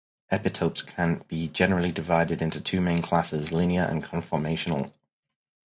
Epitopes can be generally divided into two main classes: linear and conformational.